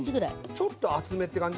ちょっと厚めって感じ？